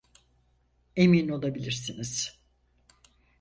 Emin olabilirsiniz.